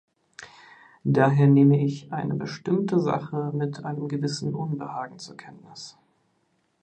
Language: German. Daher nehme ich eine bestimmte Sache mit einem gewissen Unbehagen zur Kenntnis.